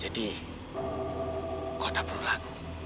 jadi kau tak perlu ragu